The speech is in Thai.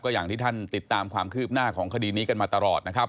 อย่างที่ท่านติดตามความคืบหน้าของคดีนี้กันมาตลอดนะครับ